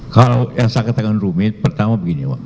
kalau yang saya katakan rumit pertama begini pak